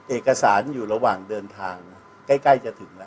เอกสารอยู่ระหว่างเดินทางใกล้จะถึงแล้ว